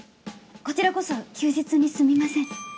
こちらこそ休日にすみません。